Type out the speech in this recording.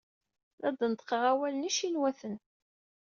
La d-neṭṭqeɣ awalen icinwaten.